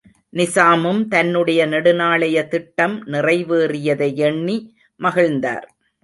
நிசாமும், தன்னுடைய நெடுநாளைய திட்டம், நிறைவேறியதையெண்ணி மகிழ்ந்தார்.